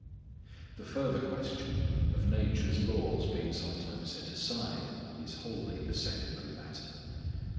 The further question of nature's laws being sometimes set aside is wholly a secondary matter.